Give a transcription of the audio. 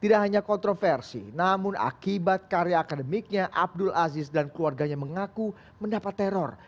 tidak hanya kontroversi namun akibat karya akademiknya abdul aziz dan keluarganya mengaku mendapat teror